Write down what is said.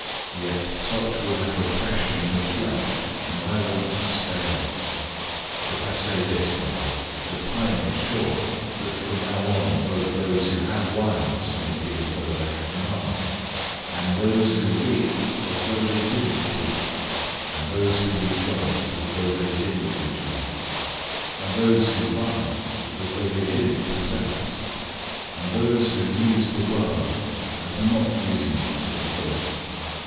Yet such will have oppression in the flesh, and I want to spare you. 007:029 But I say this, brothers: the time is short, that from now on, both those who have wives may be as though they had none; 007:030 and those who weep, as though they didn't weep; and those who rejoice, as though they didn't rejoice; and those who buy, as though they didn't possess; 007:031 and those who use the world, as not using it to the fullest.